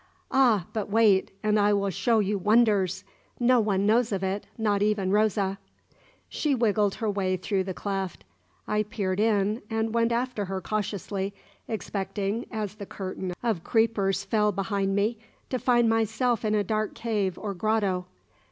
"Ah, but wait, and I will show you wonders! No one knows of it, not even Rosa." She wriggled her way through the cleft. I peered in, and went after her cautiously, expecting, as the curtain of creepers fell behind me, to find myself in a dark cave or grotto.